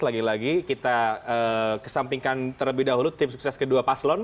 lagi lagi kita kesampingkan terlebih dahulu tim sukses kedua paslon